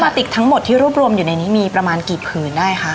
ติกทั้งหมดที่รวบรวมอยู่ในนี้มีประมาณกี่ผืนได้คะ